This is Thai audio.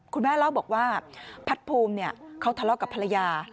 คุณแม่เล่าบอกว่าพัดภูมิเนี่ยเขาทะเลาะกับภรรยา